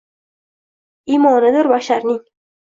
Imonidir basharning.